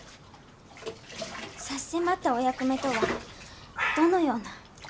差し迫ったお役目とはどのような？